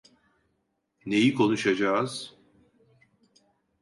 Neyi konuşacağız?